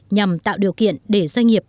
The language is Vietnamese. nhằm tạo điều kiện để doanh nghiệp